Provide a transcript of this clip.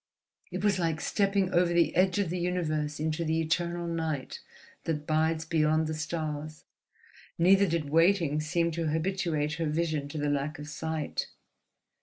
It was like stepping over the edge of the universe into the eternal night that bides beyond the stars. Neither did waiting seem to habituate her vision to the lack of light.